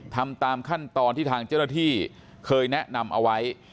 ทำตามขั้นตอนที่ทางเจ้าหน้าที่เคยแนะนำเอาไว้